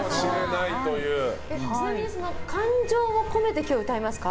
ちなみに感情を込めて今日、歌いますか？